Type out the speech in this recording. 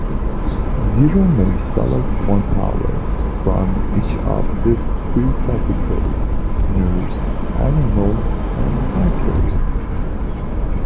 Zero may select one power from each of three categories: Nurse, Animal, and Hacker.